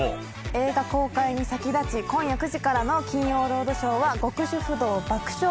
映画公開に先立ち今夜９時からの『金曜ロードショー』は『極主夫道爆笑！